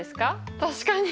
確かに。